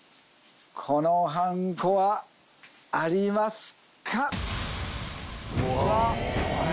このはんこはありますか？